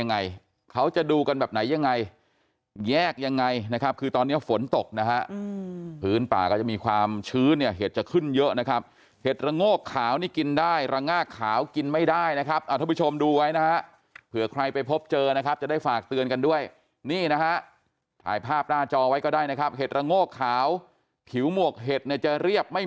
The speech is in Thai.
นะครับน้องผู้ชมดูไว้นะครับเผื่อใครไปพบเจอนะครับจะได้ฝากเตือนกันด้วยนี่นะคะถ่ายภาพหน้าจอไว้ก็ได้นะครับหิตลงโอกขาว๘๐๐เป็นกิ